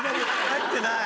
入ってない。